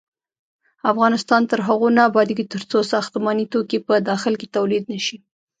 افغانستان تر هغو نه ابادیږي، ترڅو ساختماني توکي په داخل کې تولید نشي.